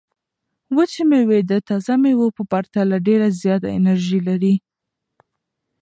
وچې مېوې د تازه مېوو په پرتله ډېره زیاته انرژي لري.